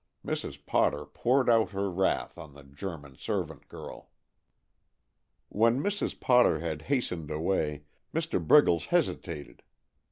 Mrs. Potter poured out her wrath on the German servant girl. When Mrs. Potter had hastened away, Mr. Briggles hesitated.